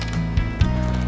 udah lama nunggu ya